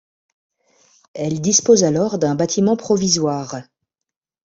Elle dispose alors d'un bâtiment provisoire.